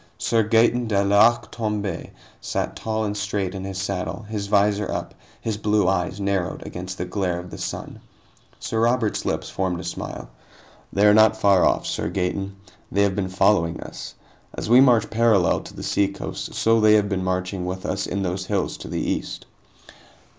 Sir Gaeton de l'Arc Tomb├® sat tall and straight in his saddle, his visor up, his blue eyes narrowed against the glare of the sun. Sir Robert's lips formed a smile. "They are not far off, Sir Gaeton. They have been following us. As we march parallel to the seacoast, so they have been marching with us in those hills to the east."